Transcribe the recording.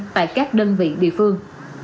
tại các đơn vị địa phương